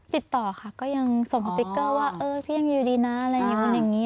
ติดต่อค่ะก็ยังส่งสติ๊กเกอร์ว่าเออพี่ยังอยู่ดีนะอะไรอย่างนี้